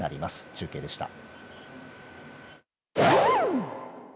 中継でした。